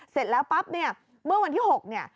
เสร็จแล้วปั๊บเนี่ยเมื่อวันที่๖เนี่ย